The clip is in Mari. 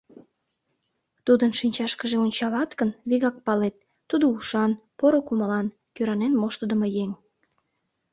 Тудын шинчашкыже ончалат гын, вигак палет: тудо ушан, поро кумылан, кӧранен моштыдымо еҥ.